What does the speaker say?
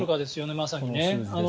まさに。